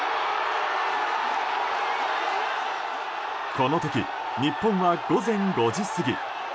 この時、日本は午前５時過ぎ。